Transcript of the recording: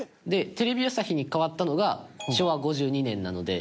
テレビ朝日に変わったのが昭和５２年なので。